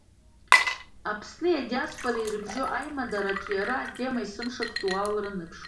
Аԥсни адиаспореи ирыбжьоу аимадара аҿиара атема есымша актуалра аныԥшуеит.